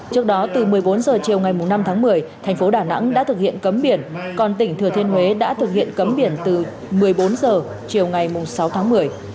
trước đó từ một mươi bốn h chiều ngày năm tháng một mươi thành phố đà nẵng đã thực hiện cấm biển còn tỉnh thừa thiên huế đã thực hiện cấm biển từ một mươi bốn h chiều ngày sáu tháng một mươi